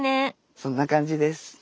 そんな感じです。